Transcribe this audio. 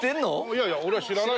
いやいや俺は知らない。